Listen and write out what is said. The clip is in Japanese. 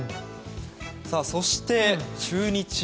そして中日